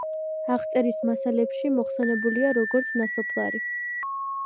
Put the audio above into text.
აღწერის მასალებში მოხსენებულია, როგორც ნასოფლარი.